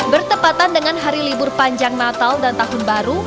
bertepatan dengan hari libur panjang natal dan tahun baru